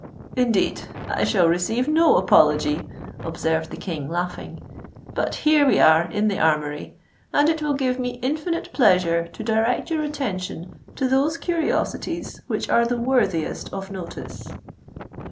"Indeed, I shall receive no apology," observed the King, laughing. "But here we are in the Armoury; and it will give me infinite pleasure to direct your attention to those curiosities which are the worthiest of notice."